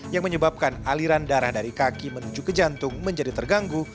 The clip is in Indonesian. yang menyebabkan aliran darah dari kaki menuju ke jantung menjadi terganggu